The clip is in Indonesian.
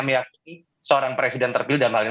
meyakini seorang presiden terpilih dan